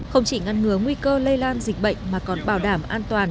không chỉ ngăn ngừa nguy cơ lây lan dịch bệnh mà còn bảo đảm an toàn